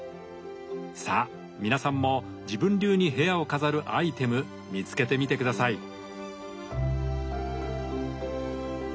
さあ皆さんも自分流に部屋を飾るアイテム見つけてみて下さい。